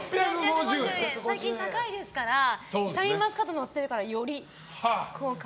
最近高いですからシャインマスカットのってるからより高価に。